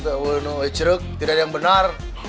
tidak ada yang benar